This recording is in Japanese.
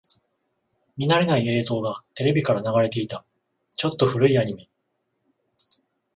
見慣れない映像がテレビから流れていた。ちょっと古いアニメ。